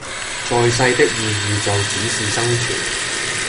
在世的意義就只是生存